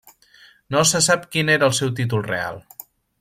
No se sap quin era el seu títol real.